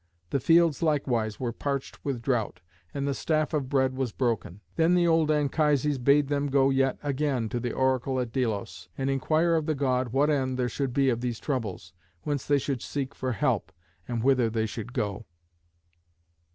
The fields likewise were parched with drought, and the staff of bread was broken. Then the old Anchises bade them go yet again to the oracle at Delos, and inquire of the god what end there should be of these troubles, whence they should seek for help, and whither they should go.